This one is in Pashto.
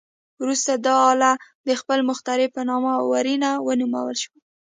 وروسته دا آله د خپل مخترع په نامه ورنیه ونومول شوه.